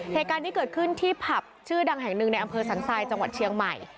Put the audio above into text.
เหตุการณ์นี้เกิดขึ้นที่ผับชื่อดังแห่งหนึ่งในอำเภอสันทรายจังหวัดเชียงใหม่